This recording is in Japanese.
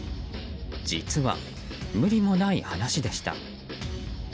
実は、無理もない話でした。